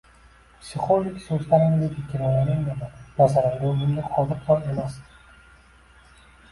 Psixolog so’zlarimdagi kinoyani anglamadi. Nazarimda, u bunga qodir ham emasdi.